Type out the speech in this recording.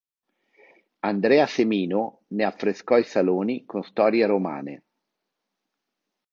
Andrea Semino ne affrescò i saloni con storie romane.